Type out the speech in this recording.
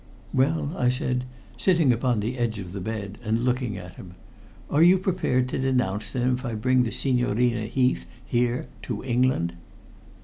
"Well," I said, sitting upon the edge of the bed and looking at him. "Are you prepared to denounce them if I bring the Signorina Heath here, to England?"